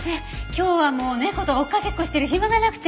今日はもう猫と追っかけっこしてる暇がなくて。